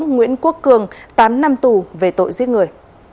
nguyễn quốc cường tám năm tù về tội giết người